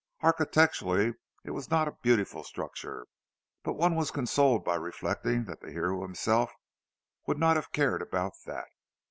Architecturally it was not a beautiful structure—but one was consoled by reflecting that the hero himself would not have cared about that.